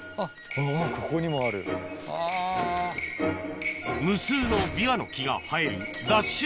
あぁここにもあるあぁ。無数のビワの木が生えるＤＡＳＨ